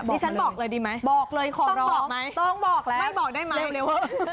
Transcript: ดิฉันบอกเลยดีไหมต้องบอกไหมไม่บอกได้มั้ยเร็ว